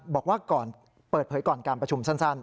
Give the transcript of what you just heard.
บอกว่าก่อนเปิดเผยก่อนการประชุมสั้น